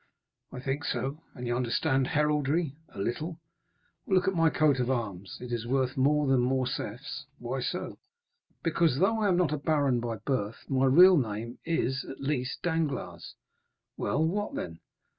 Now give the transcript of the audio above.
"I think so." "And you understand heraldry?" "A little." "Well, look at my coat of arms, it is worth more than Morcerf's." "Why so?" "Because, though I am not a baron by birth, my real name is, at least, Danglars." "Well, what then?"